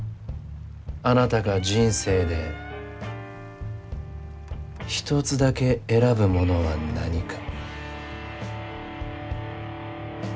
あなたが人生で一つだけ選ぶものは何か？